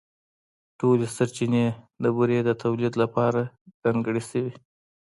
ټولې سرچینې د بورې د تولیدً لپاره ځانګړې شوې.